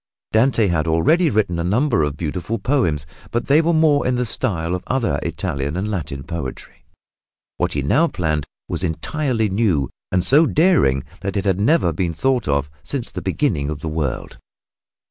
Dante had already written a number of beautiful poems, but they were more in the style of other Italian and Latin poetry. What he now planned was entirely new and so daring that it had never been thought of since the beginning of the world.